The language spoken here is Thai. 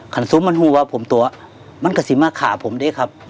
ซุ้มมันหัวผมตัวมันกระซิมมาขาผมด้วยครับ